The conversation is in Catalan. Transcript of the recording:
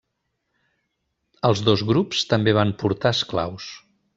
Els dos grups també van portar esclaus.